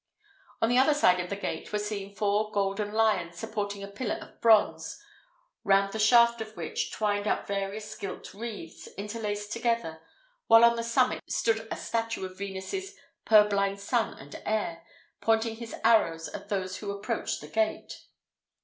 On the other side of the gate were seen four golden lions supporting a pillar of bronze, round the shaft of which twined up various gilt wreaths, interlaced together; while on the summit stood a statue of Venus's "purblind son and heir," pointing his arrows at those who approached the gate.